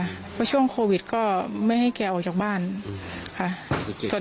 เพราะช่วงโควิดก็ไม่ให้แกออกจากบ้านค่ะ